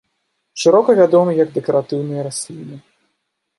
Шырока вядома як дэкаратыўная расліна.